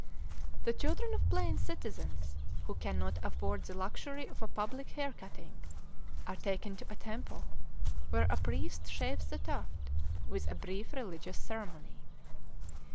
The children of plain citizens, who cannot afford the luxury of a public hair cutting, are taken to a temple, where a priest shaves the tuft, with a brief religious ceremony.